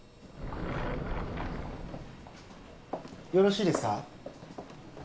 よろしいですか？